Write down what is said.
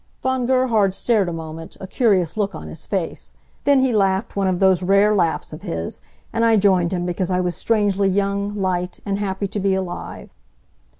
Von Gerhard stared a moment, a curious look on his face. Then he laughed one of those rare laughs of his, and I joined him because I was strangely young, light, and happy to be alive.